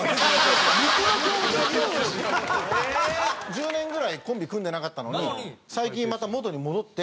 １０年ぐらいコンビ組んでなかったのに最近また元に戻って。